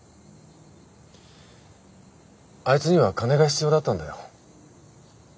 あいつには金が必要だったんだよ。